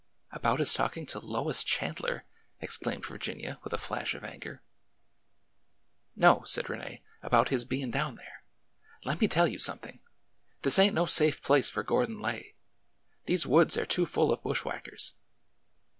'' About his talking to Lois Chandler !" exclaimed Vir ginia, with a flash of anger. '' No," said Rene; '' about his bein' down there. Let me tell you something ! This ain't no safe place for Gor don Lay ! These woods are too full of bushwhackers